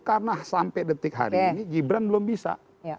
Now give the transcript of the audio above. karena sampai detik hari ini gibran belum bisa